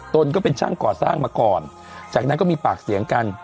ก็เป็นช่างก่อสร้างมาก่อนจากนั้นก็มีปากเสียงกัน